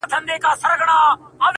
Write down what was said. تر هر بیته مي راځې بیرته پناه سې.!